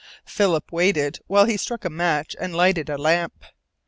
Philip waited while he struck a match and lighted a lamp.